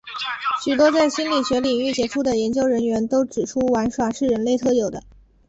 许多在心理学领域杰出的研究人员都指出玩耍是人类特有的。